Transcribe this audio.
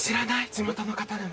地元の方でも。